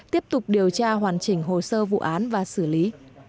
tiếp tục điều tra hoàn chỉnh hồ sơ vụ án và xử lý